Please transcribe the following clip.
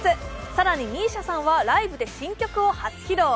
更にＭＩＳＩＡさんはライブで新曲を初披露。